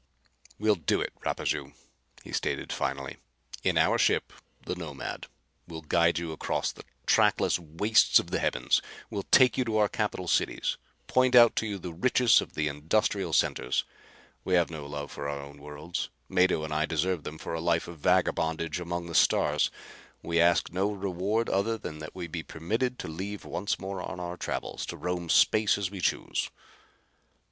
"We'll do it, Rapaju," he stated finally. "In our ship, the Nomad, we'll guide you across the trackless wastes of the heavens. We'll take you to our capital cities; point out to you the richest of the industrial centers. We have no love for our own worlds. Mado and I deserted them for a life of vagabondage amongst the stars. We ask no reward other than that we be permitted to leave once more on our travels, to roam space as we choose."